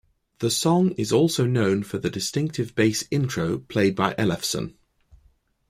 The song is also known for the distinctive bass intro played by Ellefson.